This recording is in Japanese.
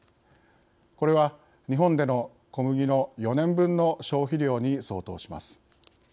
これは、日本での小麦の４年分の消費量に相当します。